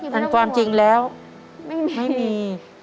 แต่ความจริงแล้วไม่มี